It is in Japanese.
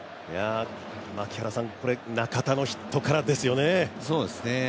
これ、中田のヒットからですよね。